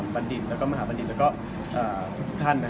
อเจมส์ก่อนอื่นก็ขอแสดงพระวิทย์ดีกับบรรดิและมหาวิทยาลัยบรรดิ